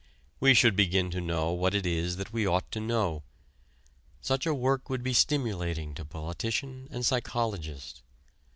We should begin to know what it is that we ought to know. Such a work would be stimulating to politician and psychologist.